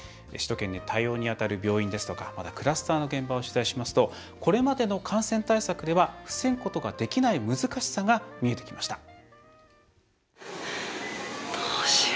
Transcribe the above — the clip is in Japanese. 首都圏で対応に当たる病院ですとかクラスターの現場を取材しますとこれまでの感染対策では防ぐことができない難しさが見えてきました。